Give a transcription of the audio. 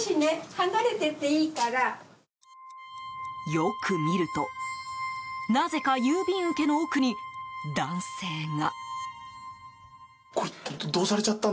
よく見るとなぜか、郵便受けの奥に男性が。